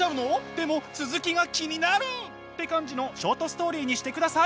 でも続きが気になる」って感じのショートストーリーにしてください！